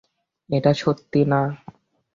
এটা সত্যি না।